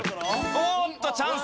おっとチャンス。